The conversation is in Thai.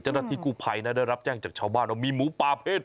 เจ้าหน้าที่กู้ภัยนะได้รับแจ้งจากชาวบ้านว่ามีหมูป่าเพศ